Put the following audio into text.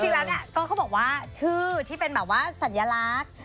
จริงแล้วเนี่ยก็เขาบอกว่าชื่อที่เป็นแบบว่าสัญลักษณ์